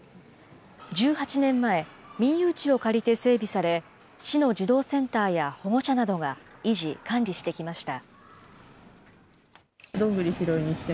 １８年前、民有地を借りて整備され、市の児童センターや保護者などが維持・管理してきました。